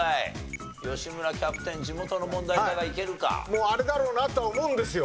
もうあれだろうなとは思うんですよ。